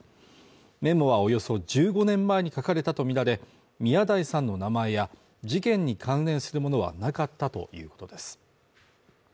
メモはおよそ１５年前に書かれたとみられ、宮台さんの名前や事件に関連するものはなかったということです。